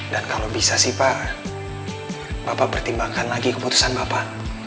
dan kalau bisa sih pak bapak pertimbangkan lagi keputusan bapak